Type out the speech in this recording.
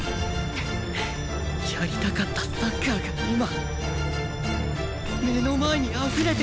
やりたかったサッカーが今目の前にあふれてる